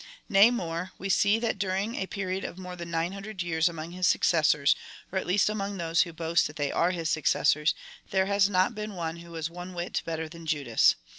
Nay more, we see that during a period of more than nine hundred years among his successors, or at least among those wdio boast that they are his successors, there lias not been one who was one Avliit better than Judas.